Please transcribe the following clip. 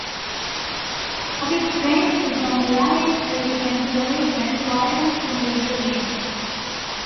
Topics ranged from reality television to religion to violence in video games.